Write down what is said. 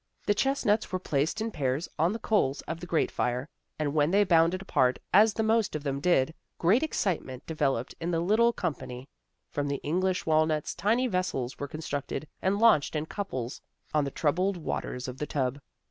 The chestnuts were placed in pairs on the coals of the grate fire, and when they bounded apart, as the most of them did, great excitement developed in the little com pany. From the English walnuts, tiny vessels were constructed and launched in couples on the troubled waters of the tub.